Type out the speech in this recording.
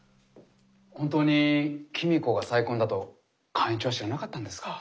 本当に公子が再婚だと寛一は知らなかったんですか？